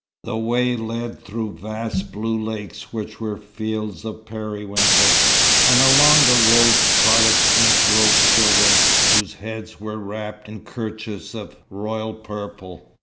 The way led through vast blue lakes which were fields of periwinkles, and along the road trotted pink robed children, whose heads were wrapped in kerchiefs of royal purple.